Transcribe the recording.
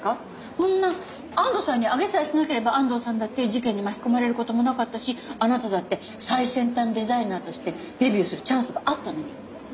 そんな安藤さんにあげさえしなければ安藤さんだって事件に巻き込まれる事もなかったしあなただって最先端デザイナーとしてデビューするチャンスがあったのに。